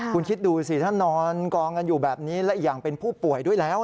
คุณคิดดูสิถ้านอนกองกันอยู่แบบนี้และอีกอย่างเป็นผู้ป่วยด้วยแล้ว